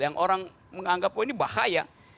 yang orang menganggap oh ini bahaya